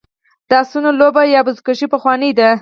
د اسونو لوبه یا بزکشي پخوانۍ ده